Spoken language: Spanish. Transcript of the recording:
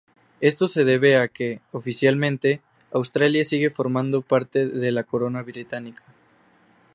Esto se debe a que, oficialmente, Australia sigue formando parte de la Corona británica.